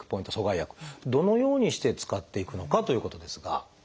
どのようにして使っていくのかということですが。